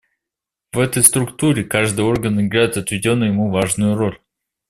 В этой структуре каждый орган играет отведенную ему важную роль.